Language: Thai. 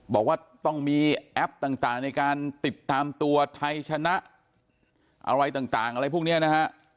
บอกว่าต้องมีแอปต่างในการติดตามตัวไทยชนะอะไรต่างอะไรพวกนี้นะฮะ